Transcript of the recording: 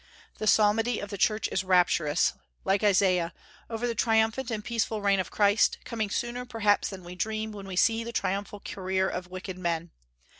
The psalmody of the Church is rapturous, like Isaiah, over the triumphant and peaceful reign of Christ, coming sooner perhaps than we dream when we see the triumphal career of wicked men.